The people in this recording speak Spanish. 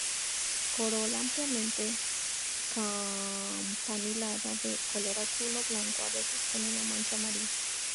Corola ampliamente campanulada de color azul o blanco, a veces con una mancha amarilla.